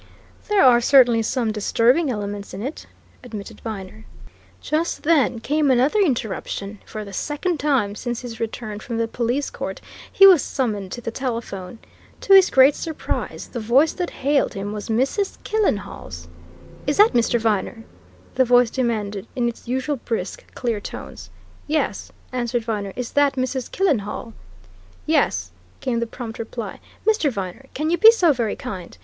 "There are certainly some disturbing elements in it," admitted Viner. Just then came another interruption; for the second time since his return from the police court, he was summoned to the telephone. To his great surprise, the voice that hailed him was Mrs. Killenhall's. "Is that Mr. Viner?" the voice demanded in its usual brisk, clear tones. "Yes," answered Viner. "Is that Mrs. Killenhall?" "Yes!" came the prompt reply. "Mr. Viner, can you be so very kind?